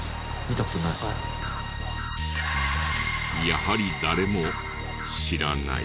やはり誰も知らない。